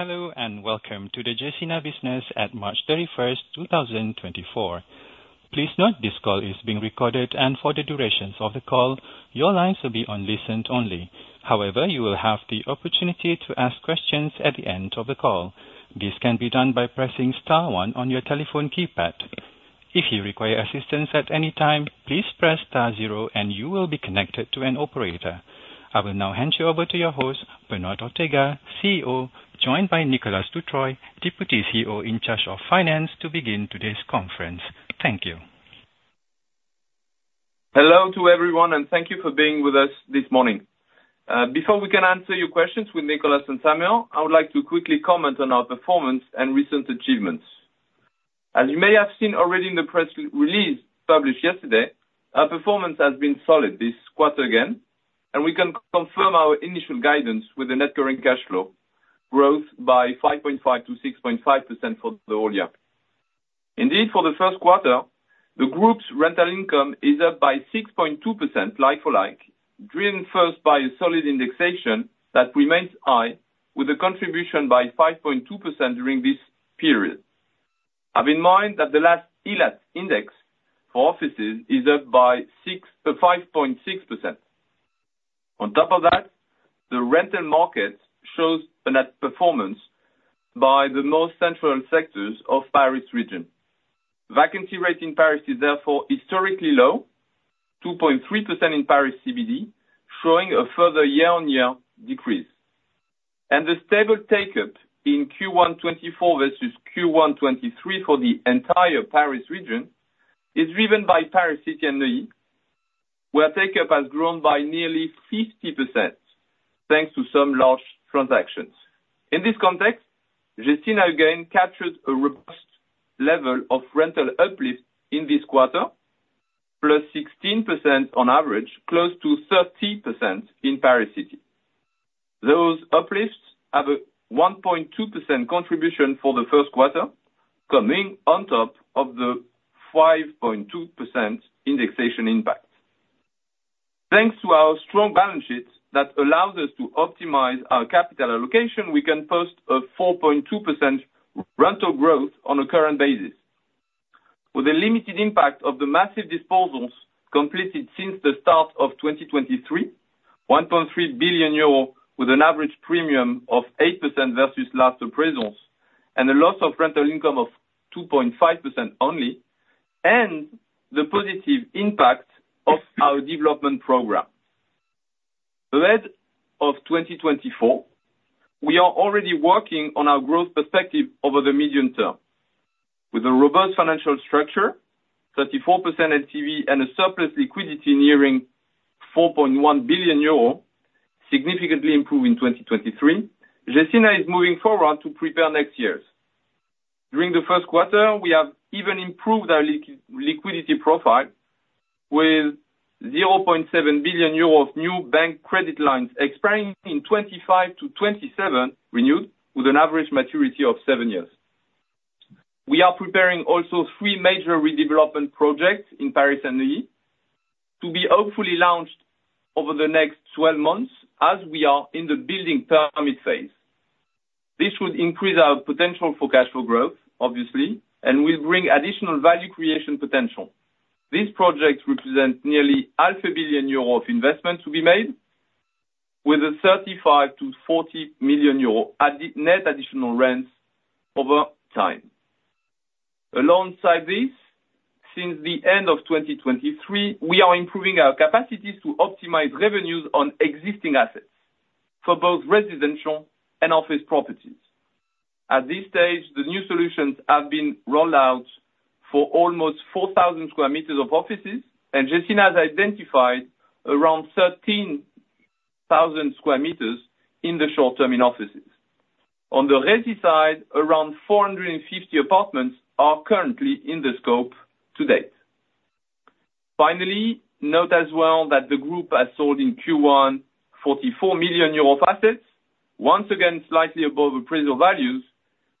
Hello and welcome to the Gecina Business at 31 March 2024. Please note this call is being recorded, and for the duration of the call, your lines will be on listen-only. However, you will have the opportunity to ask questions at the end of the call. This can be done by pressing star one on your telephone keypad. If you require assistance at any time, please press star zero, and you will be connected to an operator. I will now hand you over to your host, Beñat Ortega, CEO, joined by Nicolas Dutreuil, Deputy CEO in charge of finance, to begin today's conference. Thank you. Hello to everyone, and thank you for being with us this morning. Before we can answer your questions with Nicolas and Samuel, I would like to quickly comment on our performance and recent achievements. As you may have seen already in the press release published yesterday, our performance has been solid this quarter again, and we can confirm our initial guidance with the net current cash flow growth by 5.5%-6.5% for the whole year. Indeed, for the first quarter, the group's rental income is up by 6.2% like for like, driven first by a solid indexation that remains high, with a contribution by 5.2% during this period. Have in mind that the last ILAT index for offices is up by 6.56%. On top of that, the rental market shows a net performance by the most central sectors of Paris Region. Vacancy rate in Paris is therefore historically low, 2.3% in Paris CBD, showing a further year-on-year decrease. The stable take-up in Q1 2024 versus Q1 2023 for the entire Paris region is driven by Paris City and Neuilly, where takeup has grown by nearly 50% thanks to some large transactions. In this context, Gecina again captured a robust level of rental uplift in this quarter, plus 16% on average, close to 30% in Paris City. Those uplifts have a 1.2% contribution for the first quarter, coming on top of the 5.2% indexation impact. Thanks to our strong balance sheet that allows us to optimize our capital allocation, we can post a 4.2% rental growth on a current basis. With the limited impact of the massive disposals completed since the start of 2023, 1.3 billion euro with an average premium of 8% versus last appraisals, and a loss of rental income of 2.5% only, and the positive impact of our development program. Ahead of 2024, we are already working on our growth perspective over the medium term. With a robust financial structure, 34% LTV, and a surplus liquidity nearing 4.1 billion euro, significantly improved in 2023, Gecina is moving forward to prepare next year's. During the first quarter, we have even improved our liquidity profile with 0.7 billion euro of new bank credit lines expiring in 2025-2027, renewed with an average maturity of seven years. We are preparing also three major redevelopment projects in Paris and Neuilly to be hopefully launched over the next 12 months as we are in the building permit phase. This would increase our potential for cash flow growth, obviously, and will bring additional value creation potential. These projects represent nearly 500 million euro of investment to be made, with 35 million-40 million euro net additional rents over time. Alongside this, since the end of 2023, we are improving our capacities to optimize revenues on existing assets for both residential and office properties. At this stage, the new solutions have been rolled out for almost 4,000 square meters of offices, and Gecina has identified around 13,000 square meters in the short-term in offices. On the resi side, around 450 apartments are currently in the scope to date. Finally, note as well that the group has sold in Q1 44 million euro of assets, once again slightly above appraisal values,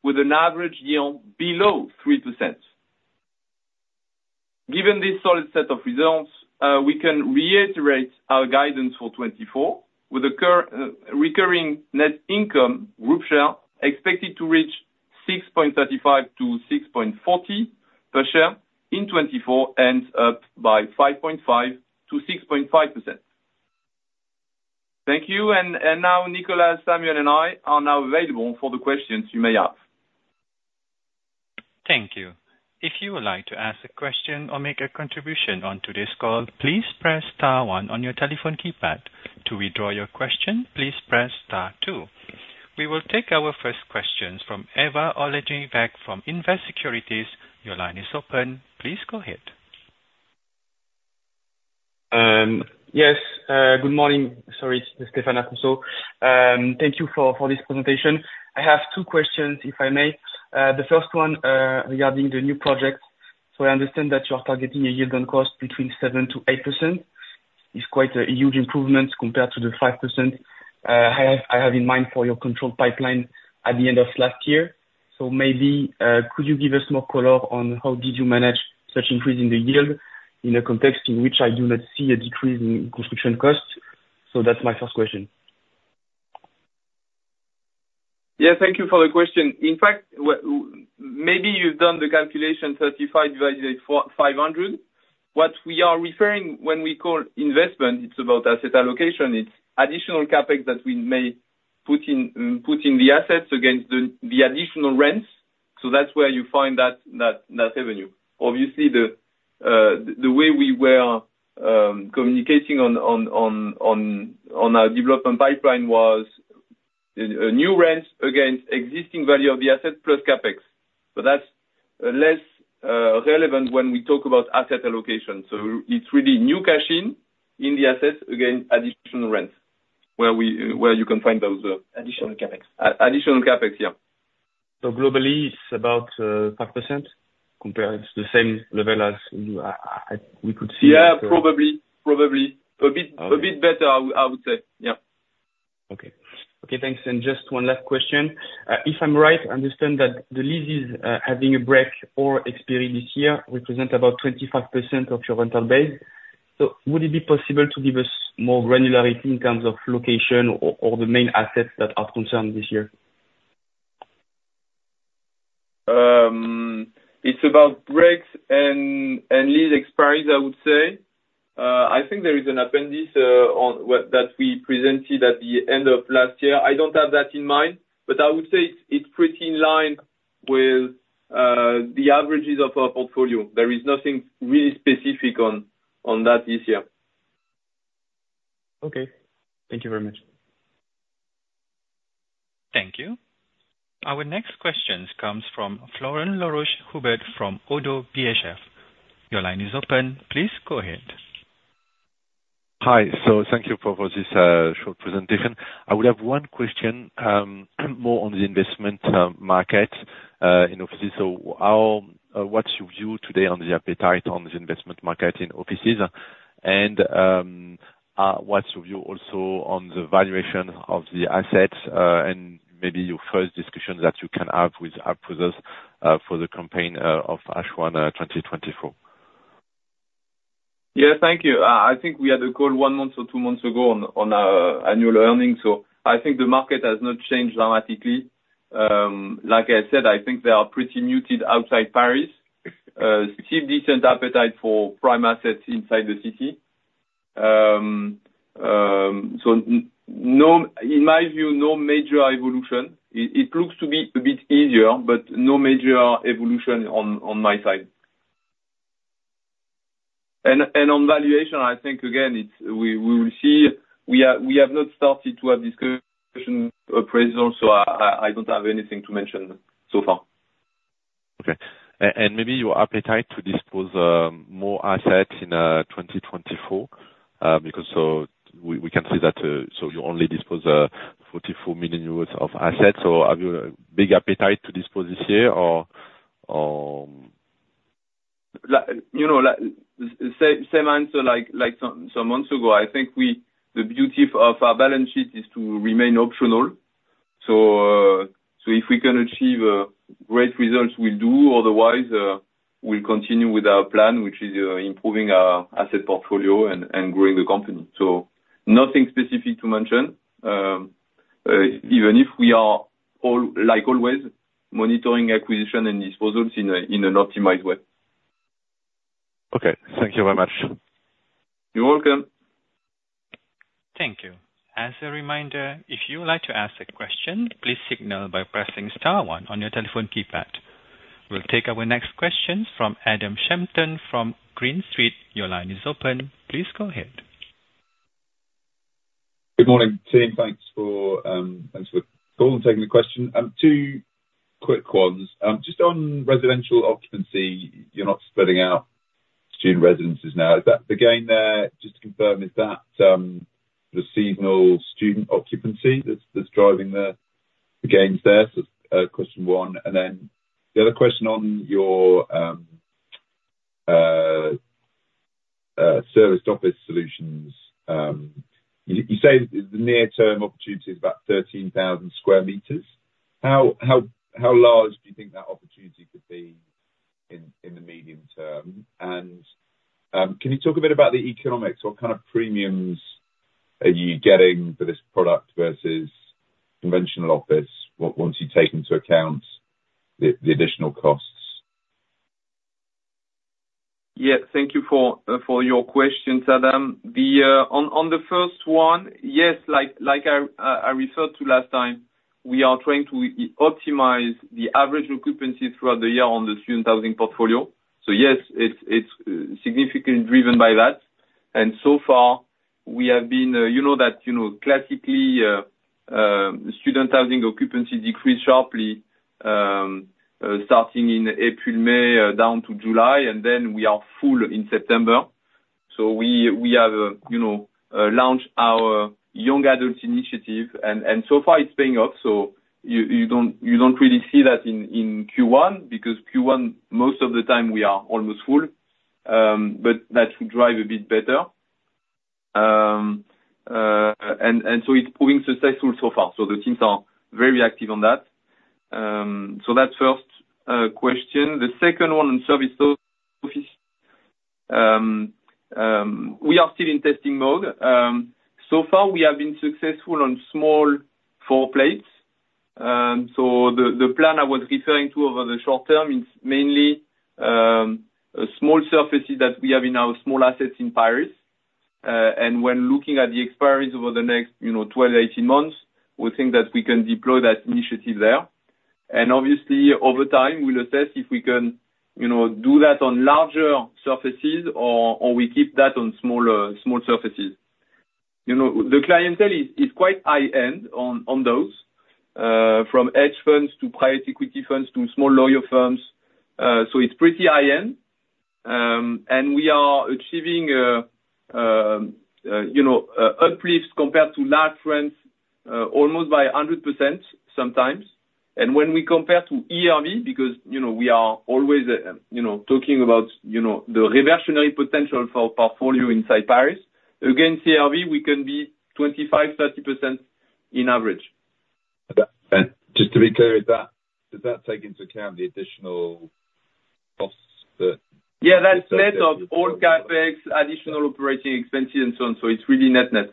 with an average yield below 3%. Given this solid set of results, we can reiterate our guidance for 2024, with a recurring net income group share expected to reach 6.35-6.40 per share in 2024 and up by 5.5%-6.5%. Thank you, and now Nicolas, Samuel, and I are now available for the questions you may have. Thank you. If you would like to ask a question or make a contribution on today's call, please press star one on your telephone keypad. To withdraw your question, please press star two. We will take our first questions from Stéphane Afonso from Invest Securities. Your line is open. Please go ahead. Yes. Good morning. Sorry, it's Stéphane Afonso. Thank you for this presentation. I have two questions, if I may. The first one regarding the new project. So I understand that you are targeting a yield on cost between 7%-8%. It's quite a huge improvement compared to the 5% I have in mind for your controlled pipeline at the end of last year. So maybe could you give us more color on how did you manage such increase in the yield in a context in which I do not see a decrease in construction costs? So that's my first question. Yeah, thank you for the question. In fact, maybe you've done the calculation 35 divided by 500. What we are referring when we call investment, it's about asset allocation. It's additional Capex that we may put in the assets against the additional rents. So that's where you find that revenue. Obviously, the way we were communicating on our development pipeline was new rents against existing value of the asset plus Capex. But that's less relevant when we talk about asset allocation. So it's really new cash in in the assets against additional rents where you can find those. Additional capex. Additional Capex, yeah. Globally, it's about 5% compared to the same level as we could see? Yeah, probably. Probably. A bit better, I would say. Yeah. Okay. Okay, thanks. Just one last question. If I'm right, I understand that the leases having a break or expiry this year represent about 25% of your rental base. So would it be possible to give us more granularity in terms of location or the main assets that are concerned this year? It's about breaks and lease expiry, I would say. I think there is an appendix that we presented at the end of last year. I don't have that in mind, but I would say it's pretty in line with the averages of our portfolio. There is nothing really specific on that this year. Okay. Thank you very much. Thank you. Our next question comes from Florent Laroche-Joubert from Oddo BHF. Your line is open. Please go ahead. Hi. Thank you for this short presentation. I would have one question more on the investment market in offices. What's your view today on the appetite on the investment market in offices? And what's your view also on the valuation of the assets and maybe your first discussion that you can have with our producers for the campaign of H1 2024? Yeah, thank you. I think we had a call one month or two months ago on annual earnings. So I think the market has not changed dramatically. Like I said, I think they are pretty muted outside Paris. Still decent appetite for prime assets inside the city. So in my view, no major evolution. It looks to be a bit easier, but no major evolution on my side. And on valuation, I think, again, we will see. We have not started to have discussion appraisal, so I don't have anything to mention so far. Okay. And maybe your appetite to dispose more assets in 2024 because we can see that so you only dispose of 44 million euros of assets. So have you a big appetite to dispose this year or? Same answer like some months ago. I think the beauty of our balance sheet is to remain optional. So if we can achieve great results, we'll do. Otherwise, we'll continue with our plan, which is improving our asset portfolio and growing the company. So nothing specific to mention, even if we are, like always, monitoring acquisition and disposals in an optimized way. Okay. Thank you very much. You're welcome. Thank you. As a reminder, if you would like to ask a question, please signal by pressing star one on your telephone keypad. We'll take our next questions from Adam Shapton from Green Street. Your line is open. Please go ahead. Good morning, Tim. Thanks for calling and taking the question. Two quick ones. Just on residential occupancy, you're not spreading out student residences now. Is that the gain there? Just to confirm, is that the seasonal student occupancy that's driving the gains there? So that's question one. And then the other question on your serviced office solutions. You say the near-term opportunity is about 13,000 sq m. How large do you think that opportunity could be in the medium term? And can you talk a bit about the economics? What kind of premiums are you getting for this product versus conventional office once you take into account the additional costs? Yeah, thank you for your questions, Adam. On the first one, yes, like I referred to last time, we are trying to optimize the average occupancy throughout the year on the student housing portfolio. So yes, it's significantly driven by that. And so far, we have been that classically, student housing occupancy decreased sharply starting in April, May, down to July, and then we are full in September. So we have launched our young adults initiative, and so far, it's paying off. So you don't really see that in Q1 because Q1, most of the time, we are almost full. But that should drive a bit better. And so it's proving successful so far. So the teams are very active on that. So that's first question. The second one on serviced office, we are still in testing mode. So far, we have been successful on small floor plates. So the plan I was referring to over the short term is mainly small surfaces that we have in our small assets in Paris. And when looking at the expiry over the next 12-18 months, we think that we can deploy that initiative there. And obviously, over time, we'll assess if we can do that on larger surfaces or we keep that on small surfaces. The clientele is quite high-end on those, from hedge funds to private equity funds to small law firms. So it's pretty high-end. And we are achieving uplifts compared to large funds almost by 100% sometimes. And when we compare to ERV because we are always talking about the reversionary potential for portfolio inside Paris, against ERV, we can be 25%-30% on average. Just to be clear with that, does that take into account the additional costs that? Yeah, that's net of all CapEx, additional operating expenses, and so on. So it's really net-net.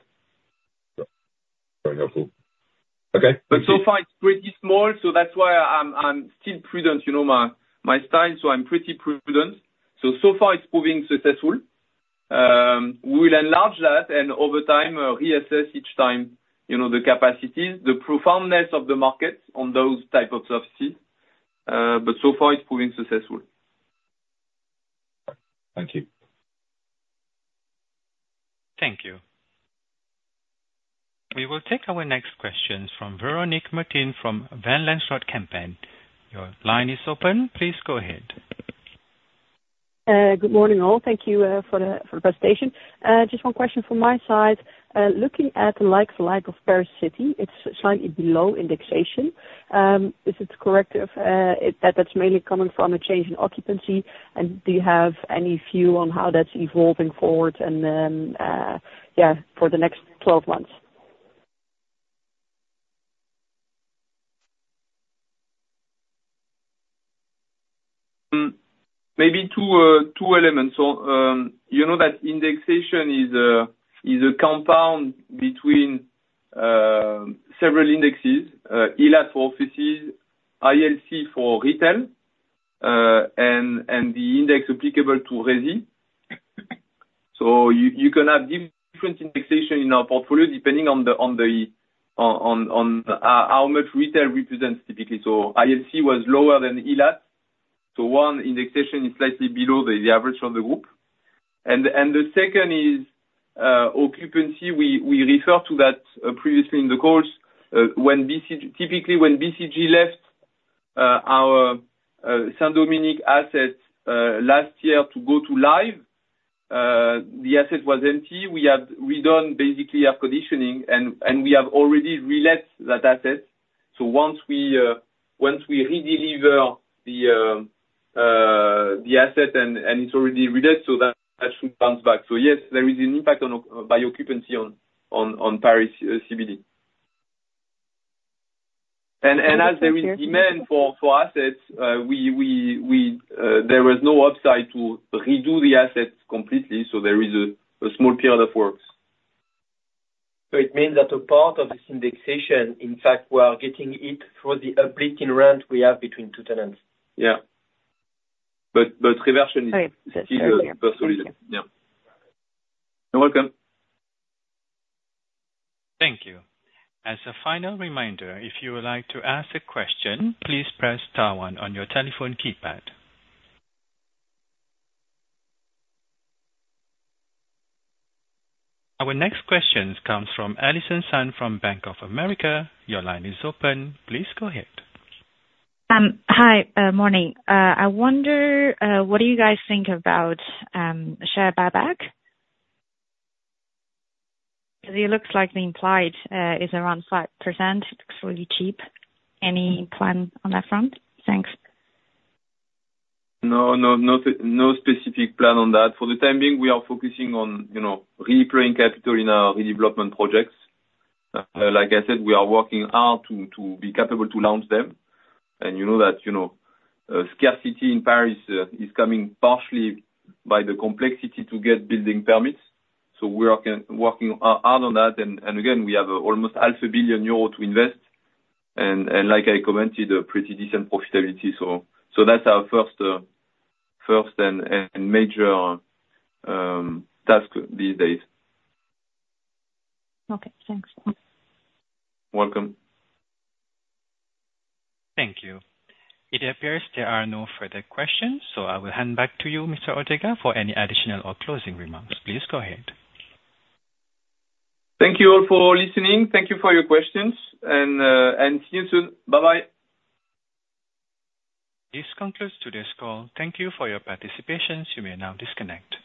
Very helpful. Okay. But so far, it's pretty small. So that's why I'm still prudent, my style. So I'm pretty prudent. So so far, it's proving successful. We will enlarge that and over time, reassess each time the capacities, the profoundness of the markets on those type of surfaces. But so far, it's proving successful. Thank you. Thank you. We will take our next questions from Véronique Meertens from Van Lanschot Kempen. Your line is open. Please go ahead. Good morning, all. Thank you for the presentation. Just one question from my side. Looking at the likes of Paris City, it's slightly below indexation. Is it correct that that's mainly coming from a change in occupancy? And do you have any view on how that's evolving forward, yeah, for the next 12 months? Maybe two elements. So you know that indexation is a compound between several indexes: ILAT for offices, ILC for retail, and the index applicable to resi. So you can have different indexation in our portfolio depending on how much retail represents, typically. So ILC was lower than ILAT. So one, indexation is slightly below the average of the group. And the second is occupancy. We referred to that previously in the course. Typically, when BCG left our Saint-Dominique assets last year to go to L1ve, the asset was empty. We had redone, basically, our conditioning, and we have already relet that asset. So once we redeliver the asset and it's already relet, so that should bounce back. So yes, there is an impact by occupancy on Paris CBD. And as there is demand for assets, there was no upside to redo the assets completely. There is a small period of works. It means that a part of this indexation, in fact, we are getting it through the uplift in rent we have between two tenants. Yeah. But reversion is still a personal issue. Yeah. You're welcome. Thank you. As a final reminder, if you would like to ask a question, please press star one on your telephone keypad. Our next question comes from Allison Sun from Bank of America. Your line is open. Please go ahead. Hi. Morning. I wonder, what do you guys think about share buyback? Because it looks like the implied is around 5%. It looks really cheap. Any plan on that front? Thanks. No, no specific plan on that. For the time being, we are focusing on redeploying capital in our redevelopment projects. Like I said, we are working hard to be capable to launch them. And you know that scarcity in Paris is coming partially by the complexity to get building permits. So we are working hard on that. And again, we have almost 500 million euro to invest. And like I commented, pretty decent profitability. So that's our first and major task these days. Okay. Thanks. Welcome. Thank you. It appears there are no further questions. So I will hand back to you, Mr. Ortega, for any additional or closing remarks. Please go ahead. Thank you all for listening. Thank you for your questions. See you soon. Bye-bye. This concludes today's call. Thank you for your participation. You may now disconnect.